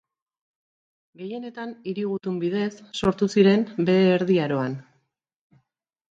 Gehienetan hiri-gutun bidez sortu ziren, Behe Erdi Aroan.